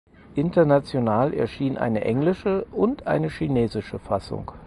International erschien eine englische und eine chinesische Fassung.